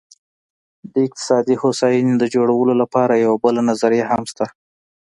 د اقتصادي هوساینې د جوړولو لپاره یوه بله نظریه هم شته.